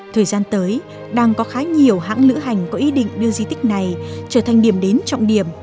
thời gian tới đang có khá nhiều hãng lữ hành có ý định đưa di tích này trở thành điểm đến trọng điểm